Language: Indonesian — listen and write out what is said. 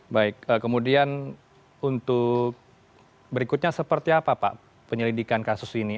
baik kemudian untuk berikutnya seperti apa pak penyelidikan kasus ini